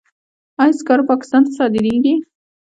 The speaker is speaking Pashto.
آیا سکاره پاکستان ته صادریږي؟